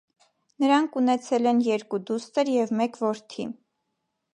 Նրանք ունեցել են երկու դուստր և մեկ որդի։